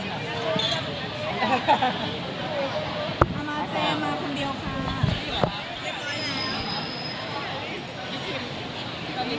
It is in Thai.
ฉันได้ไหมว่ามันเป็นความจริงหรือว่าฉันคิดมาก